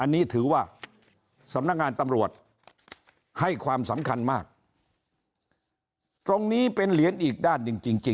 เขาจะมาทำธุรกิจในบ้านเราเป็นธุรกิจสีทาว